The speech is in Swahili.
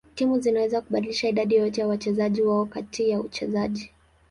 Timu zinaweza kubadilisha idadi yoyote ya wachezaji wao kati ya uchezaji.